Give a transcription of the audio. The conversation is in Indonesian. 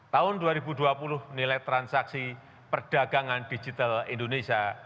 tahun dua ribu dua puluh nilai transaksi perdagangan digital indonesia